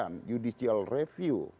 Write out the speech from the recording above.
mengajukan judicial review